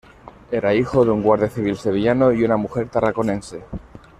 Era hijo de un guardia civil sevillano y una mujer tarraconense.